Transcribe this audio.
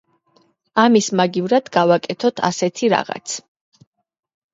ამის მაგივრად გავაკეთოთ ასეთი რაღაც.